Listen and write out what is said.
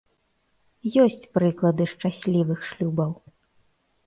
Ёсць прыклады шчаслівых шлюбаў.